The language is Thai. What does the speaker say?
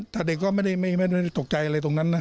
แต่เด็กก็ไม่ได้ตกใจอะไรตรงนั้นนะ